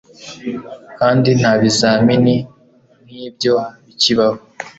kandi nta bizamini nk'ibyo bikibaho